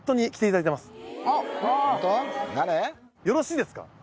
よろしいですか？